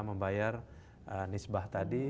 membayar nispah tadi